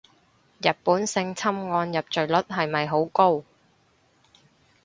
日本性侵案入罪率係咪好高